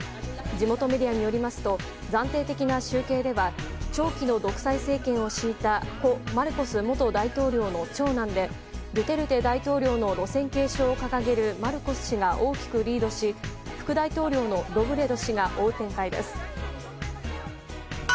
地元メディアによりますと暫定的な集計では長期の独裁政権を敷いた故マルコス元大統領の長男でドゥテルテ大統領の路線継承を掲げるマルコス氏が大きくリードし副大統領のロブレド氏が追う展開です。